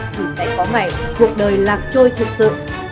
thì sẽ có ngày cuộc đời lạc trôi thực sự